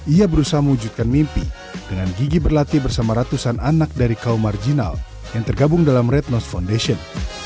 ia berusaha mewujudkan mimpi dengan gigi berlatih bersama ratusan anak dari kaum marginal yang tergabung dalam retnos foundation